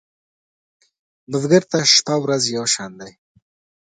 بزګر ته شپه ورځ یو شان دي